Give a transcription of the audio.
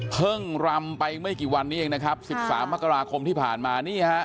รำไปไม่กี่วันนี้เองนะครับ๑๓มกราคมที่ผ่านมานี่ฮะ